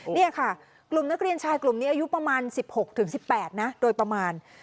นี่ค่ะกลุ่มนักเรียนชายกลุ่มนี้อายุประมาณ๑๖๑๘นะโดยประมาณ